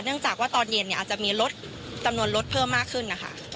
เนื่องจากว่าตอนเย็นเนี่ยอาจจะมีรถจำนวนรถเพิ่มมากขึ้นนะคะ